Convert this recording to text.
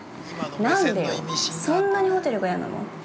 ◆何でよ、そんなにホテルが嫌なの？